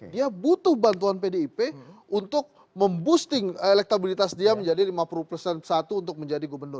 dia butuh bantuan pdip untuk memboosting elektabilitas dia menjadi lima puluh persen satu untuk menjadi gubernur